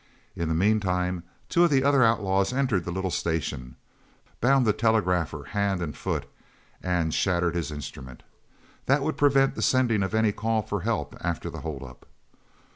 In the meantime two of the other outlaws entered the little station, bound the telegrapher hand and foot, and shattered his instrument. That would prevent the sending of any call for help after the hold up.